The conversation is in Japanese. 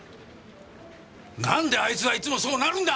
何であいつはいつもそうなるんだ！？